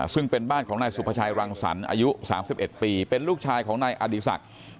ซึ่งเป็นบ้านของนายสุภาชัยรังสรรค์อายุ๓๑ปีเป็นลูกชายของนายอดีศักดิ์